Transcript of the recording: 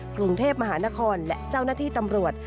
กรุงเทพมหานครและเจ้าหน้าที่ตำรวจ